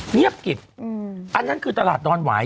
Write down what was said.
เงียบกิบอันนั้นคือตลาดดอนหวาย